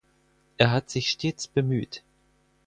Er hat sich stets bemüht.